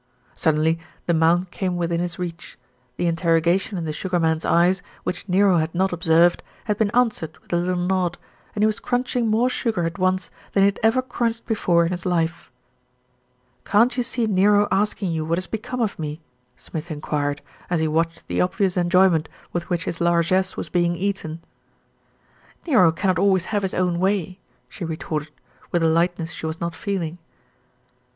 Suddenly the mound came within his reach. The in terrogation in the Sugar Man's eyes, which Nero had not observed, had been answered with a little nod, and he was crunching more sugar at once than he had ever crunched before in his life. "Can't you see Nero asking you what has become of me?" Smith enquired, as he watched the obvious enjoy ment with which his largesse was being eaten. "Nero cannot always have his own way," she re torted, with a lightness she was not feeling.